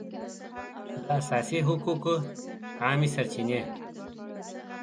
د اساسي حقوقو عامې سرچینې